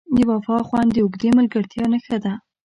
د وفا خوند د اوږدې ملګرتیا نښه ده.